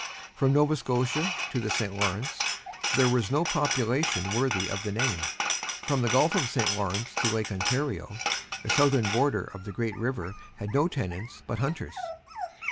From Nova Scotia to the St. Lawrence, there was no population worthy of the name. From the Gulf of St. Lawrence to Lake Ontario, the southern border of the great river had no tenants but hunters.